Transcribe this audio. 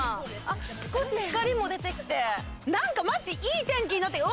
少し光も出てきて。